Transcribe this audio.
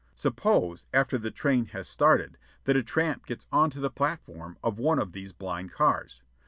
Suppose, after the train has started, that a tramp gets on to the platform of one of these blind cars.